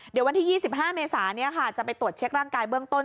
เดี๋ยววันที่๒๕เมษาจะไปตรวจเช็คร่างกายเบื้องต้น